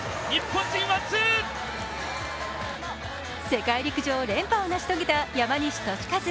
世界陸上連覇を成し遂げた山西利和。